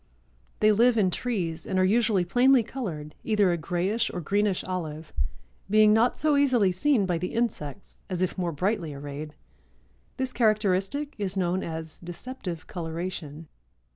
They live in trees and are usually plainly colored, either a grayish or greenish olive, being not so easily seen by the insects as if more brightly arrayed. This characteristic is known as deceptive coloration.